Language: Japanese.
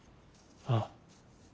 ああ。